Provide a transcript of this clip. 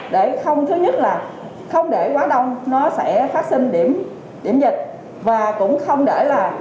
để không thứ nhất là không để quá đông nó sẽ phát sinh điểm kiểm dịch và cũng không để là